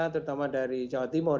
terutama dari jawa timur